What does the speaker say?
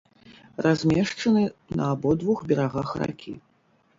Размешчаны на абодвух берагах ракі.